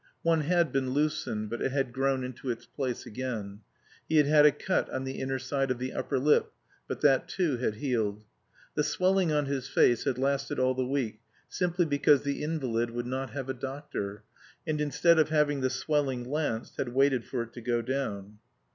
One had been loosened, but it had grown into its place again: he had had a cut on the inner side of the upper lip, but that, too, had healed. The swelling on his face had lasted all the week simply because the invalid would not have a doctor, and instead of having the swelling lanced had waited for it to go down.